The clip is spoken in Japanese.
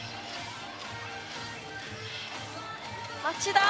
町田！